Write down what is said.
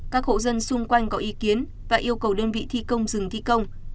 các hộ dân xung quanh có ý kiến và yêu cầu đơn vị thi công dừng thi công